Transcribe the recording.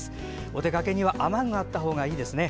お出かけには雨具があったほうがいいですね。